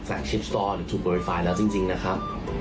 คลิปสปอร์หรือถูกโปรไฟล์แล้วจริงนะครับ